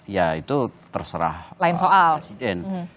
ya itu terserah presiden